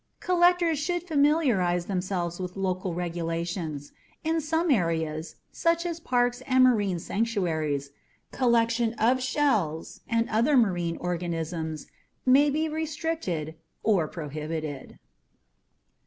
*Collectors should familiarize themselves with local regulations. In some areas, such as parks and marine sanctuaries, collection of shells and other marine organisms may be restricted or prohibited.